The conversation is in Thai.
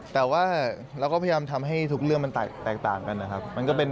แต่ว่าเราก็พยายามทำให้ทุกเรื่องมันแตกต่างกันนะครับ